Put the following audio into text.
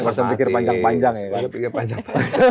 gak usah pikir panjang panjang